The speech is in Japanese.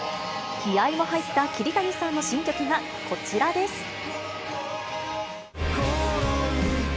気合いも入った桐谷さんの新曲がこちらです。